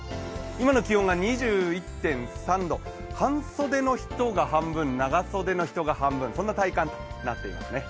今の気温が２１．３度、半袖の人が半分、長袖の人が半分そんな体感となっていますね。